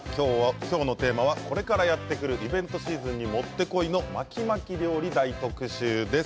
今日のテーマは、これからやってくるイベントシーズンにもってこいの巻き巻き料理大特集です。